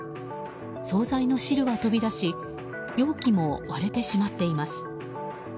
総菜の汁は飛び出し容器も割れてしまっています。